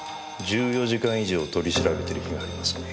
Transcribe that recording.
１４時間以上取り調べてる日がありますね。